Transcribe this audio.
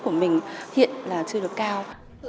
của mình hiện là chưa được cao